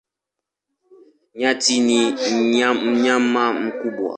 Nyati ni mnyama mkubwa.